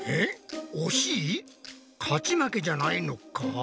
勝ち負けじゃないのか？